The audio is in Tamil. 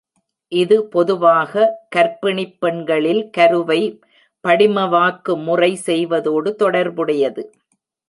இது பொதுவாக கர்ப்பிணிப் பெண்களில் கருவை படிமவாக்கு முறை செய்வதோடு தொடர்புடையது.